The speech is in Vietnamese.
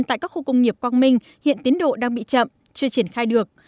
tại các khu công nghiệp quang minh hiện tiến độ đang bị chậm chưa triển khai được